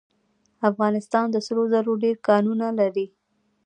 افغانستان د سرو زرو ډیر کانونه لري.